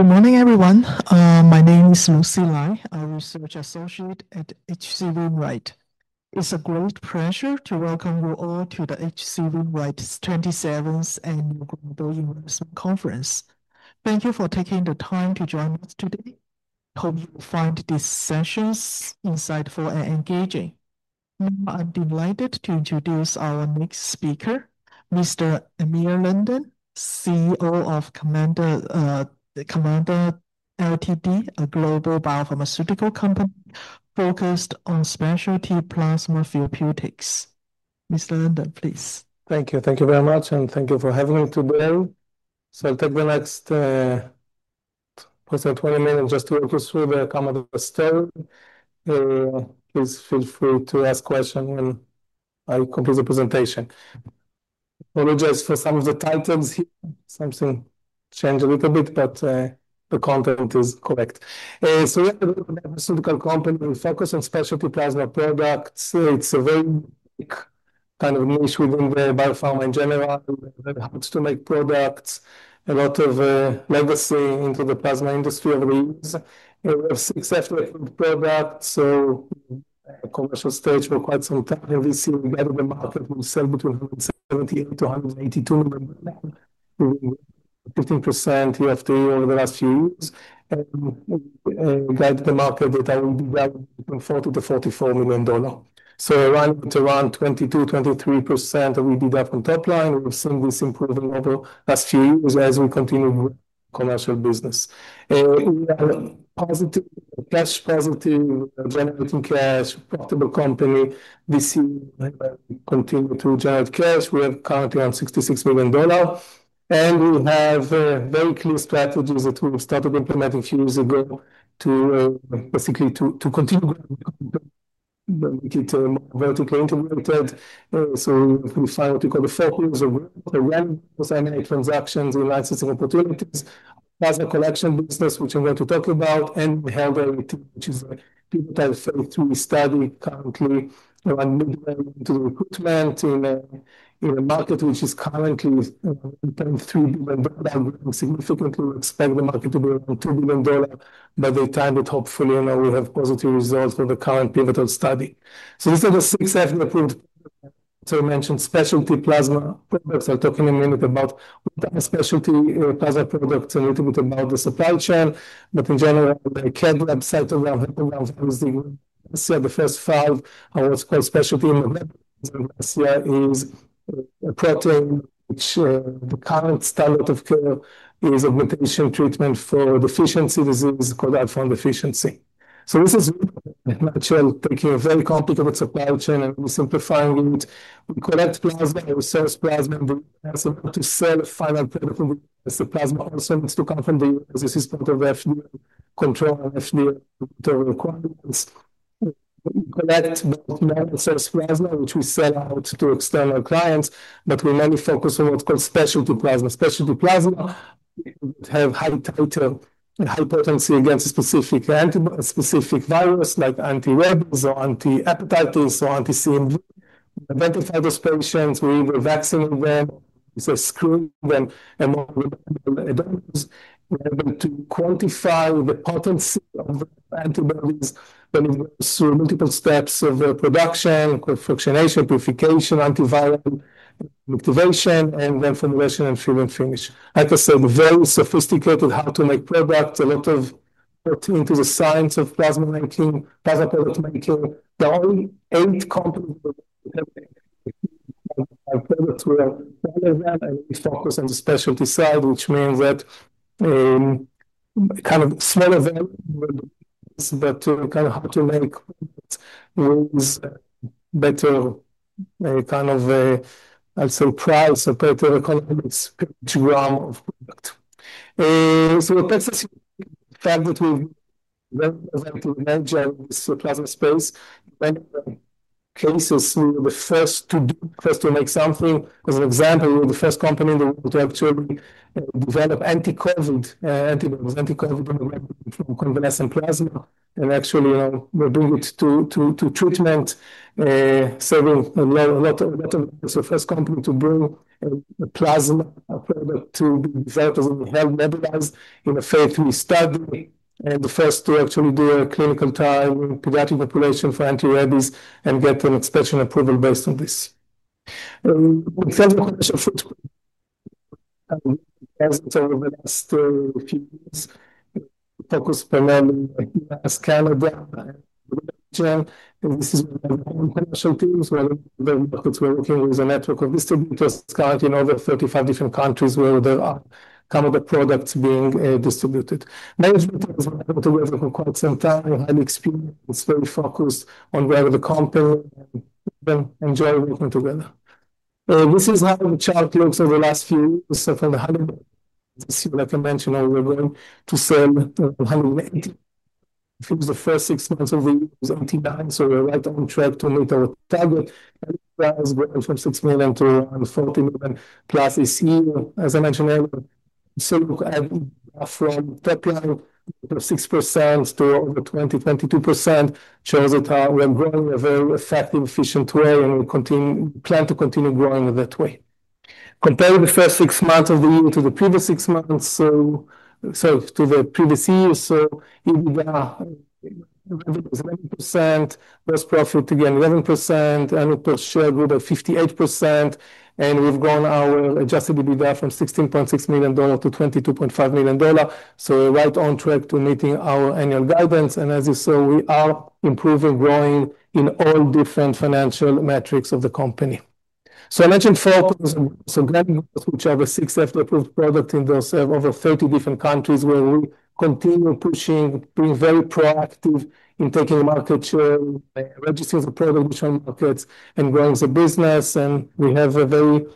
Good morning, everyone. My name is Lucy Lai, a Research Associate at HCLibRite. It's a great pleasure to welcome you all to HCLibRite's 27th Annual Global University Conference. Thank you for taking the time to join us today. Hope you find these sessions insightful and engaging. I'm delighted to introduce our next speaker, Mr. Amir London, CEO of Kamada Ltd., a global biopharmaceutical company focused on specialty plasma therapeutics. Mr. London, please. Thank you. Thank you very much, and thank you for having me today. I'll take the next 20 minutes just to walk you through the Kamada stuff. Please feel free to ask questions when I complete the presentation. Apologies for some of the titles. Something changed a little bit, but the content is correct. We have a pharmaceutical company focused on specialty plasma products. It's a very big kind of niche within the biopharma in general. It helps to make products. A lot of legacy into the plasma industry every year except for the product. Commercial stage for quite some time. Every single gathered the market will sell between $178 million to $182 million. 15% EBITDA over the last few years. Guide the market that I will be going from $40 million to $44 million. Around 22% to 23% of EBITDA on pipeline. We've seen this improve over the last few years as we continue with commercial business. We are positive, cash positive, generating cash, profitable company. This year, we continue to generate cash. We have currently around $66 million. We have very clear strategies that we've started implementing a few years ago to basically continue to be vertically integrated. We find what we call the focus of running transactions in access to opportunities. Plasma collection business, which I'm going to talk about. We have a, which is a Phase 3 clinical trial currently. We're doing equipment in a market which is currently $0.3 billion. We're growing significantly. We expect the market to be around $2 billion by the time that hopefully we'll have positive results for the current period of study. These are the six assets. I mentioned specialty plasma products. I'll talk in a minute about specialty plasma products and a little bit about the supply chain. In general, the Kedrab site around here, around the first five are what's called specialty in the medical. The AAT is a protein, which the current standard of care is augmentation treatment for deficiency disease called alpha-1 deficiency. This is a natural taking a very complicated supply chain and simplifying it. We collect plasma and we source plasma and we have to sell a final product. The plasma also needs to come from the U.S. This is part of FDA control and FDA internal requirements. We collect, source plasma, which we sell out to external clients. We mainly focus on what's called specialty plasma. Specialty plasma have high potency against a specific virus like anti-rabies or anti-hepatitis or anti-CMV. We identify those patients. We either vaccinate them, we screen them. We're able to quantify the potency of antibodies through multiple steps of production, cross-fractionation, purification, antiviral activation, and then formulation and fill and finish. Like I said, very sophisticated how to make products. A lot of put into the science of plasma making, plasma product making. There are only eight companies that I've been through. I'll tell you that. I really focus on the specialty side, which means that kind of smaller than that, but kind of how to make those better, kind of, I'd say, price or better economics to run of product. The fact that we want to imagine this plasma space, many cases see the first to do, first to make something. As an example, we were the first company to actually develop anti-COVID antibodies, anti-COVID in the medical through convalescent plasma. Actually, you know, we're bringing it to treatment, serving a lot of, first company to bring a plasma product to be developed as a drug nebulized in a Phase 3 clinical trial. The first to actually do a clinical trial in pediatric population for antibodies and get an extension approval based on this. In terms of commercial, as I said, over the last few years, focus primarily in Canada. This is one of the more international teams where we're working with a network of distributors currently in over 35 different countries where there are Kamada products being distributed. Management is working together for quite some time, highly experienced, very focused on whether the company and enjoy working together. This is how the chart looks over the last few years. From this year, like I mentioned, we're going to sell $190 million. If it was the first six months of the year was $89 million, we're right on track to meet our target. We're going from $6 million to around $40 million plus this year. As I mentioned earlier, we've added from pipeline of 6% to over 20%, 22% shows that we're growing a very effective, efficient way and we plan to continue growing that way. Compared to the first six months of the year to the previous six months, to the previous year, EBITDA is 11%, gross profit again 11%, annual per share growth of 58%, and we've grown our adjusted EBITDA from $16.6 million to $22.5 million. We're right on track to meeting our annual guidance. As you saw, we are improving, growing in all different financial metrics of the company. I mentioned four companies, which have a sixth FDA approved product in those over 30 different countries where we continue pushing, being very proactive in taking market share, registering the product, which markets, and growing the business. We have a very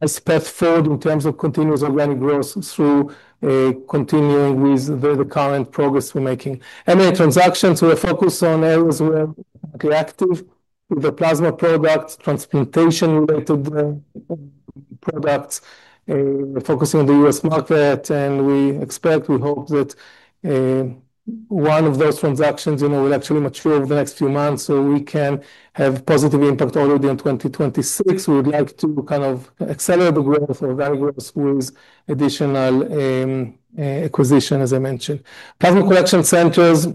nice path forward in terms of continuous organic growth through continuing with the current progress we're making. M&A transactions, we're focused on areas where we're currently active with the plasma products, transplantation-related products. We're focusing on the U.S. market and we expect, we hope that one of those transactions will actually mature over the next few months so we can have a positive impact already in 2026. We would like to kind of accelerate the growth of our growth with additional acquisition, as I mentioned. Plasma collection centers,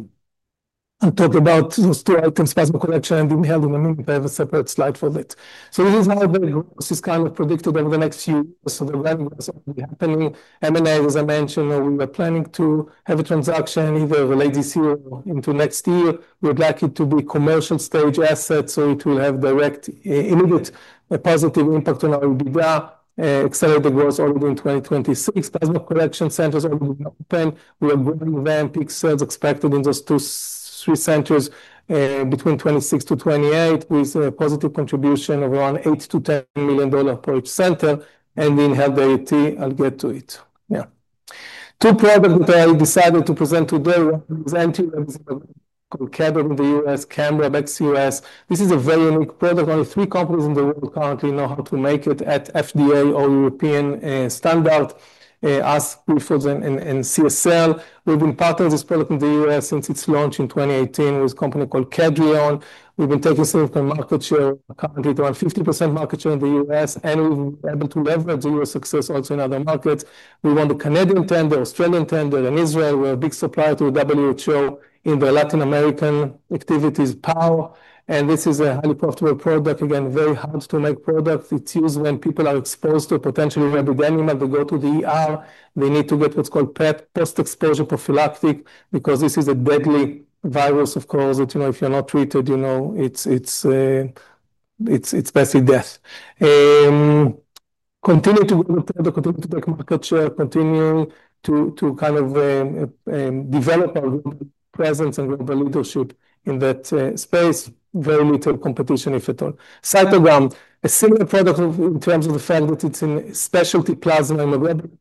I'll talk about those two items, plasma collection and inhaled ammonia, I have a separate slide for that. This is how the growth is kind of predicted over the next few years. The revenue is happening. M&A, as I mentioned, we are planning to have a transaction either over the latest year or into next year. We would like it to be a commercial stage asset so it will have direct, immediate positive impact on our EBITDA, accelerate the growth already in 2026. Plasma production centers are already open. We are growing VAMPIC cells expected in those two, three centers between 2026 to 2028 with a positive contribution of around $8 to $10 million per center. We inhabit the IoT, I'll get to it. Two products that I decided to present today represent you is called Kedrab in the U.S., Kamada-BX U.S. This is a very unique product. Only three companies in the world currently know how to make it at FDA or European standard. Ask for them and see a sell. We've been part of this product in the U.S. since its launch in 2018 with a company called Kedrion. We've been taking significant market share, currently around 50% market share in the U.S. and we've been able to leverage the U.S. success also in other markets. We won the Canadian tender, Australian tender, and Israel. We're a big supplier to the WHO in the Latin American activities. This is a highly profitable product. Again, very hard to make products. It's used when people are exposed to potentially an epidemic. They need to get what's called post-exposure prophylactic because this is a deadly virus, of course, that if you're not treated, it's basically death. Continue to make market share, continuing to kind of develop our presence and global leadership in that space. Very little competition, if at all. CytoGam, a similar product in terms of the fact that it's in specialty plasma in the realm.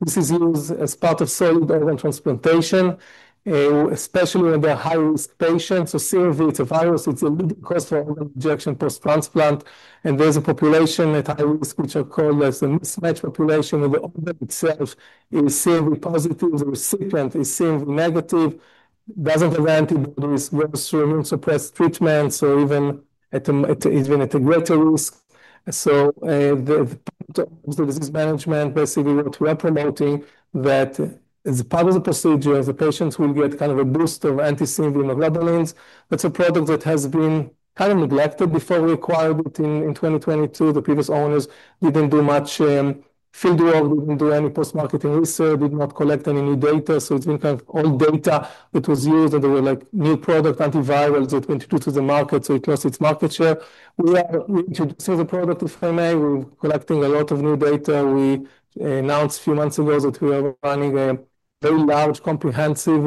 This is used as part of cell transplantation, especially in the high-risk patients. Seeing that it's a virus, it's a question of injection post-transplant. There's a population at high risk, which I call the mismatched population, where the organ itself is seemingly positive, the recipient is seemingly negative. It doesn't guarantee that there is room to immune suppress treatments or even at a greater risk. Obviously, this is management basically what we're promoting that as part of the procedure, the patients will get kind of a boost of anti-CMV immunoglobulins. That's a product that has been kind of neglected before we acquired it in 2022. The previous owners didn't do much field work, didn't do any post-marketing research, did not collect any new data. It's been kind of old data that was used and there were new product antivirals that were introduced to the market. It cost its market share. We are introducing the product of M&A. We're collecting a lot of new data. We announced a few months ago that we are running a very large, comprehensive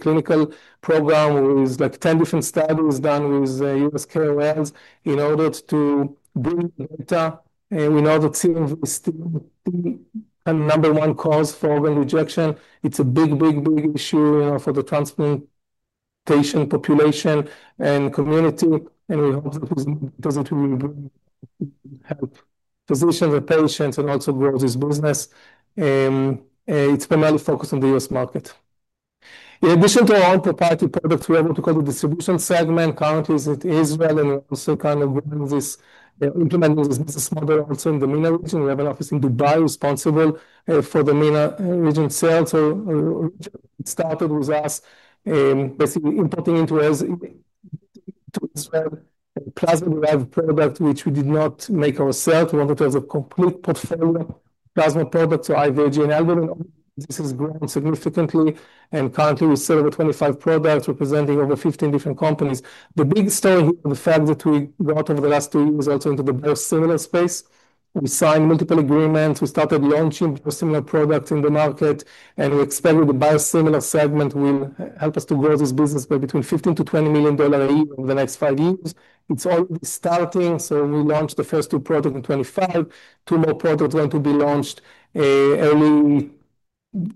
clinical program with 10 different studies done with U.S. KOLs in order to build data and in order to see the number one cause for organ rejection. It's a big, big, big issue for the transplantation population and community. We hope that it doesn't really help physicians or patients and also grow this business. It's primarily focused on the U.S. market. In addition to our own proprietary products, we have what we call the distribution segment. Currently, it's at Israel and we're also kind of implementing this model also in the MENA region. We have an office in Dubai responsible for the MENA region sales. It started with us basically importing into Israel plasma lab product, which we did not make ourselves. We wanted to have a complete portfolio plasma product to IVIG and albumin. This has grown significantly and currently we sell over 25 products representing over 15 different companies. The biggest thing is the fact that we got over the last two years also into the biosimilar space. We signed multiple agreements. We started launching a similar product in the market and we expect with the biosimilar segment will help us to grow this business by between $15 to $20 million a year over the next five years. It's already starting. We launched the first two products in 2025. Two more products are going to be launched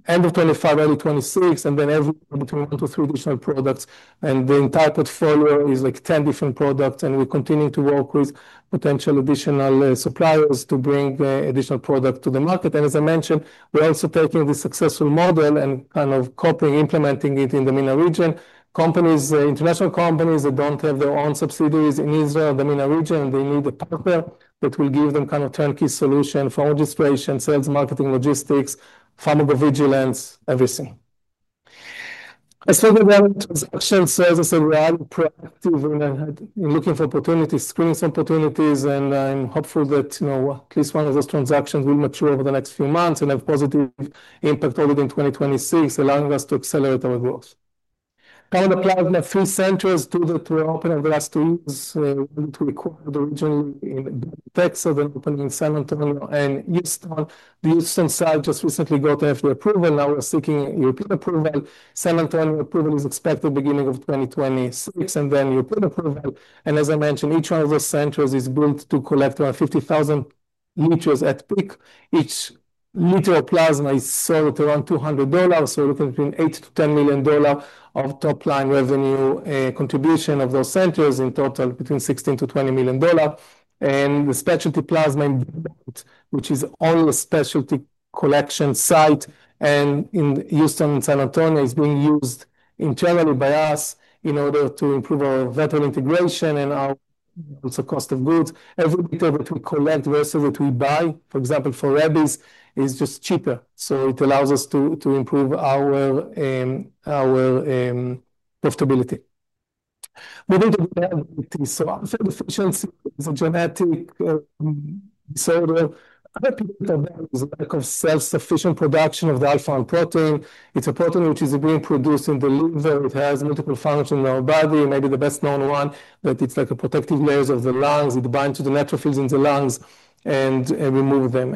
end of 2025, early 2026, and then everywhere between one to three additional products. The entire portfolio is like 10 different products and we're continuing to work with potential additional suppliers to bring additional products to the market. As I mentioned, we're also taking this successful model and kind of copying and implementing it in the MENA region. Companies, international companies that don't have their own subsidiaries in Israel and the MENA region, they need a partner that will give them kind of turnkey solution for registration, sales, marketing, logistics, pharmacovigilance, everything. As for the transactions, as I said, we're proactive in looking for opportunities, screening some opportunities, and I'm hopeful that at least one of those transactions will mature over the next few months and have positive impact already in 2026, allowing us to accelerate our growth. Kamada plasma collection centers too that were opened over the last two years to be quarterly in Texas. They're opening in San Antonio and Houston. The Houston site just recently got FDA approval. Now we're seeking European approval. San Antonio approval is expected at the beginning of 2026 and then European approval. As I mentioned, each one of those centers is built to collect around 50,000 liters at peak. Each liter of plasma is sold at around $200, so a little between $8 to $10 million of top line revenue contribution of those centers in total between $16 to $20 million. The specialty plasma, which is only a specialty collection site in Houston and San Antonio, is being used internally by us in order to improve our veteran integration and our cost of goods. Every bit of it we collect versus what we buy, for example, for rabies is just cheaper. It allows us to improve our profitability. We need to be able to show genetic disorder. That is a lack of self-sufficient production of the alpha-1 protein. It's a protein which is being produced in the liver. It has multiple functions in our body. Maybe the best known one, but it's like a protective layer of the lungs. It binds to the neutrophils in the lungs and removes them.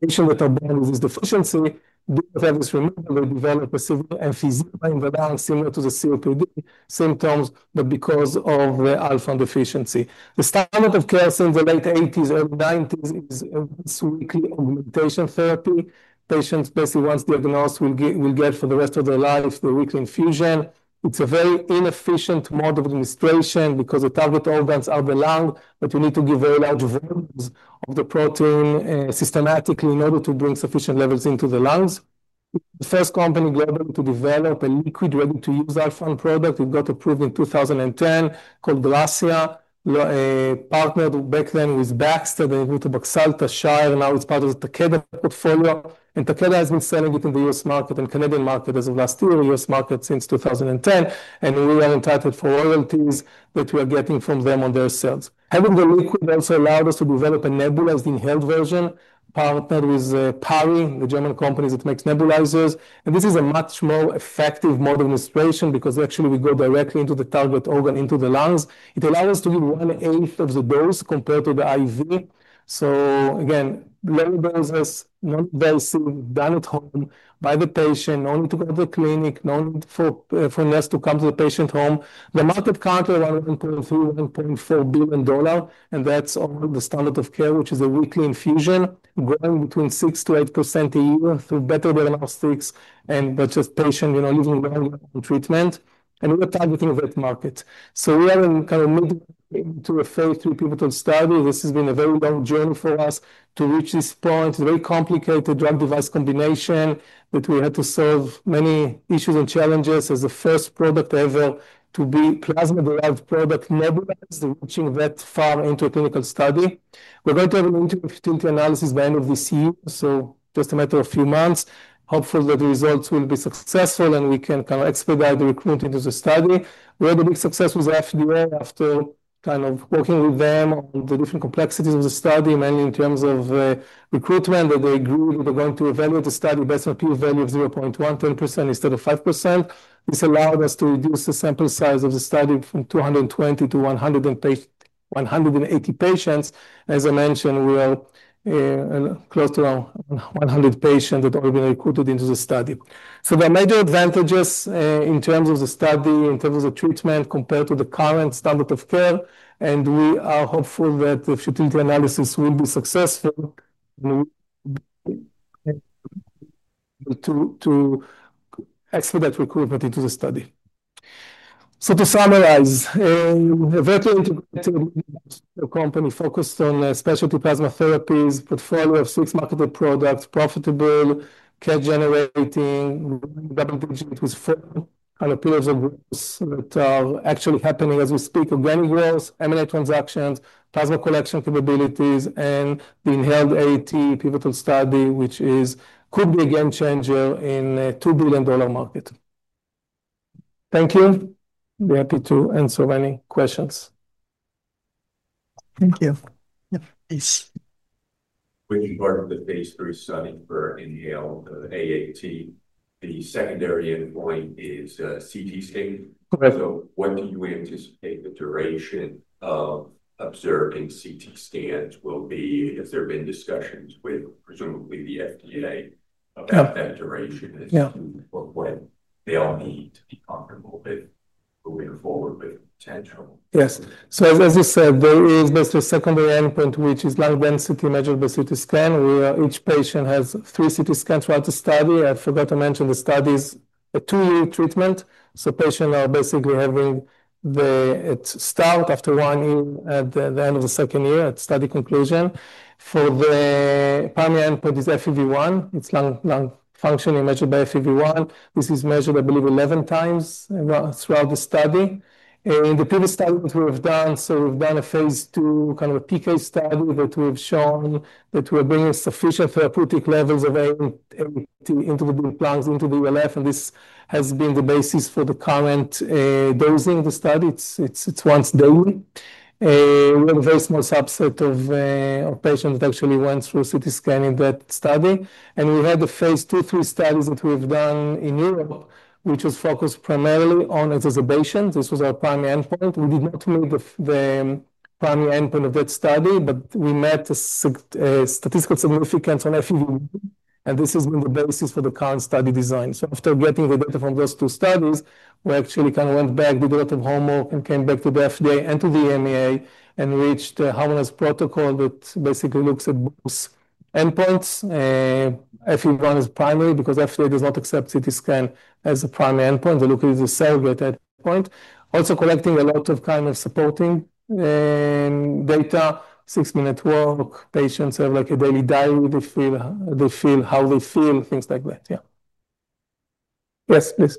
Patients with autoimmune deficiency do have this removal. They develop a severe emphysema in the lungs similar to the COPD symptoms, but because of alpha-1 deficiency. The standard of care since the late 1980s, early 1990s is weekly augmentation therapy. Patients basically once diagnosed will get for the rest of their life the weekly infusion. It's a very inefficient mode of administration because the target organs are the lung, but you need to give very large volumes of the protein systematically in order to bring sufficient levels into the lungs. The first company to develop a liquid ready to use alpha-1 product got approved in 2010 called Brizia, partnered back then with Baxter and with Baxalta Shire, and now it's part of the Takeda portfolio. Takeda has been selling it in the U.S. market and Canadian market as of last year, the U.S. market since 2010. We are entitled for royalties that we are getting from them on their sales. Having the liquid also allowed us to develop a nebulized inhaled version partnered with PARI, the German company that makes nebulizers. This is a much more effective mode of administration because actually we go directly into the target organ into the lungs. It allows us to give one-eighth of the dose compared to the IV. Again, low doses, no dosing done at home by the patient, no need to go to the clinic, no need for us to come to the patient home. The market currently is around $1.3, $1.4 billion, and that's on the standard of care, which is a weekly infusion, growing between 6% to 8% a year through better diagnostics and not just patient living well on treatment. We're targeting that market. We are in kind of midway into a Phase 3 clinical study. This has been a very long journey for us to reach this point. It's a very complicated drug device combination that we had to solve many issues and challenges as the first product ever to be plasma derived product nebulized, reaching that far into a clinical study. We're going to have an interim analysis by the end of this year, just a matter of a few months. Hopeful that the results will be successful and we can kind of expedite the recruitment into the study. We had a big success with the FDA after working with them on the different complexities of the study, mainly in terms of recruitment, that they agreed they're going to evaluate the study based on a P value of 0.1, 10% instead of 5%. This allowed us to reduce the sample size of the study from 220 to 180 patients. As I mentioned, we are close to around 100 patients that have already been recruited into the study. There are major advantages in terms of the study, in terms of the treatment compared to the current standard of care, and we are hopeful that the future analysis will be successful to expedite recruitment into the study. To summarize, a virtual company focused on specialty plasma therapies, portfolio of six marketable products, profitable, care generating, revenue-driven, with unappealable growth that are actually happening as we speak of gaming growth, M&A transactions, plasma collection capabilities, and the inherent AAT pivotal study, which could be a game changer in a $2 billion market. Thank you. We're happy to answer any questions. Thank you. Please. Would you mark the Phase 3 study for inhaled AAT? The secondary endpoint is a CT scan. When do you anticipate the duration of observing CT scans will be? If there have been discussions with presumably the FDA about that duration, they all need potential. Yes. As I said, there is this secondary endpoint, which is lung density measured by CT scan. Each patient has three CT scans throughout the study. I forgot to mention the study is a two-year treatment. Patients are basically having the start, after one year, at the end of the second year, at study conclusion. For the primary endpoint, it is FEV1. It's lung functioning measured by FEV1. This is measured, I believe, 11 times throughout the study. In the previous study that we've done, we've done a Phase 2 kind of a TK study that we've shown that we're bringing sufficient therapeutic levels of AAT into the lungs, into the ULF, and this has been the basis for the current dosing of the study. It's once daily. We have a very small subset of patients that actually went through CT scanning in that study. We had the Phase 2, 3 studies that we've done in Europe, which was focused primarily on exacerbation. This was our primary endpoint. We did not meet the primary endpoint of that study, but we met a statistical significance on FEV1. This has been the basis for the current study design. After getting the data from those two studies, we actually kind of went back, did a lot of homework, and came back to the FDA and to the MEA and reached the harmonized protocol that basically looks at those endpoints. FEV1 is primary because FDA does not accept CT scan as a primary endpoint. They look at the cell rate at that point. Also collecting a lot of kind of supporting data, six-minute walk. Patients have like a daily diary where they feel how they feel, things like that. Yes, please.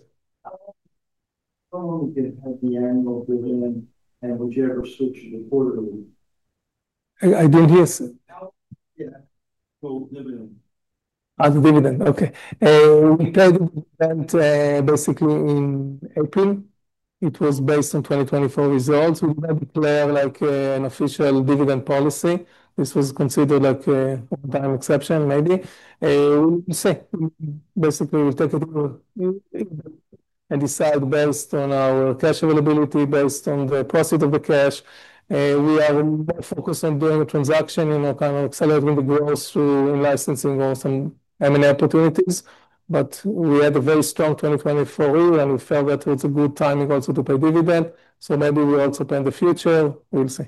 How long did FDA and Kamada switch to the quarterly? I didn't hear it. Add a dividend. Okay. We paid basically in April. It was based on 2024 results. We didn't declare like an official dividend policy. This was considered like a one-time exception, maybe. Basically, we've taken a decide based on our cash availability, based on the profit of the cash. We are focused on doing a transaction and kind of accelerating the growth through licensing growth and M&A opportunities. We had a very strong 2024 year and we felt that it's a good time also to pay dividend. Maybe we also plan the future. We'll see.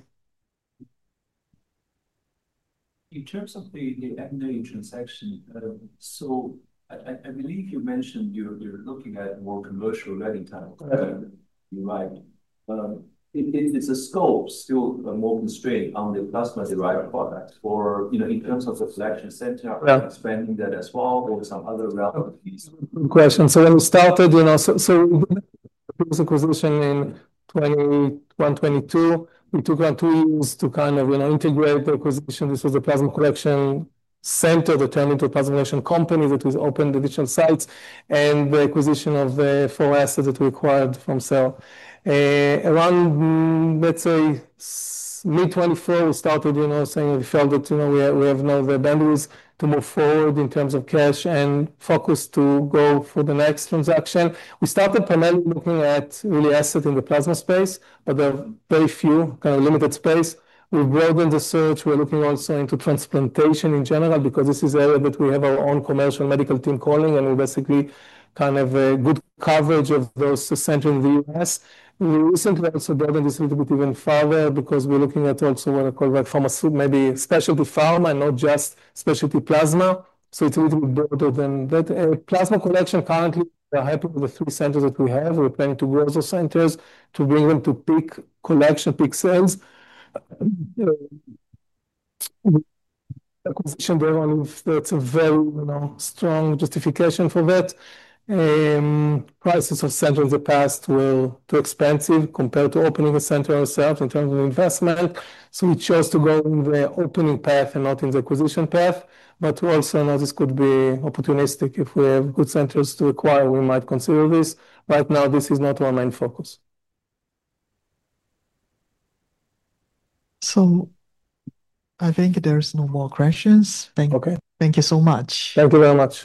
In terms of the FDA transaction, I believe you mentioned you're looking at more commercial leading type. Is the scope still more constrained on the plasma derived products? In terms of the collection center, are you expanding that as well? There were some other relevant pieces. Good question. When we started, there was an acquisition in 2022. We took around two years to integrate the acquisition. This was the plasma collection center, the 10-meter plasma collection company that we opened additional sites and the acquisition of the four assets that we acquired from sell. Around, let's say, mid-2024, we started saying we felt that we have no other bandwidth to move forward in terms of cash and focus to go for the next transaction. We started primarily looking at assets in the plasma space, but there are very few, kind of limited space. We broadened the search. We're looking also into transplantation in general because this is an area that we have our own commercial medical team calling and we basically have a good coverage of those centers in the U.S. We recently also broadened this a little bit even further because we're looking at also what I call pharmaceutical, maybe specialty pharma, not just specialty plasma. It's a little bit broader than that. Plasma collection currently, we're happy with the three centers that we have. We're planning to grow those centers to bring them to peak collection, peak sales. Acquisition there on that's a very strong justification for that. Prices of centers in the past were too expensive compared to opening a center ourselves in terms of investment. We chose to go in the opening path and not in the acquisition path. We also know this could be opportunistic. If we have good centers to acquire, we might consider this. Right now, this is not our main focus. I think there's no more questions. Thank you. Thank you so much. Thank you very much.